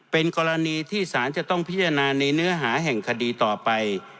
เป็นกรณีที่สารจะต้องพิจารณาในเนื้อหาแห่งคดีต่อไป